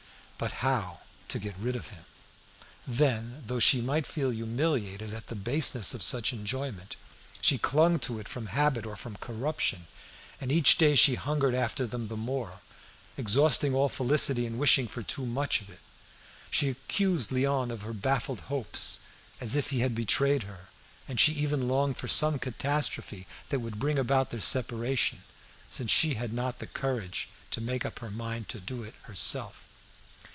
But how to get rid of him? Then, though she might feel humiliated at the baseness of such enjoyment, she clung to it from habit or from corruption, and each day she hungered after them the more, exhausting all felicity in wishing for too much of it. She accused Léon of her baffled hopes, as if he had betrayed her; and she even longed for some catastrophe that would bring about their separation, since she had not the courage to make up her mind to it herself.